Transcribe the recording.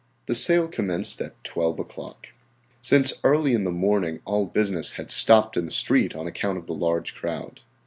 The sale commenced at 12 o'clock. Since early in the morning all business had been stopped in the street on account of the large crowd.